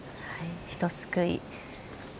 ひとすくい。